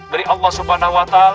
dari allah swt